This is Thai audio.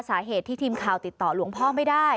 สาเหตุที่ทีมข่าวติดต่อหลวงพ่อไม่ได้